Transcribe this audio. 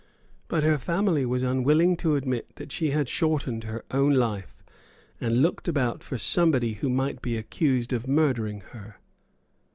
But her family was unwilling to admit that she had shortened her own life, and looked about for somebody who might be accused of murdering her.